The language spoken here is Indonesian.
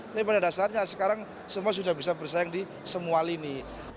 tapi pada dasarnya sekarang semua sudah bisa bersaing di semua lini